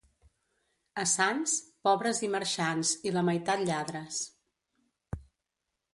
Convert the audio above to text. A Sants, pobres i marxants i la meitat lladres.